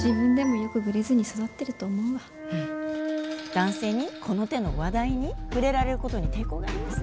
男性にこの手の話題に触れられることに抵抗があります。